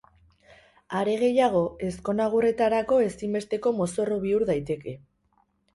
Are gehiago, ezkonagurretarako ezinbesteko mozorro bihur daiteke.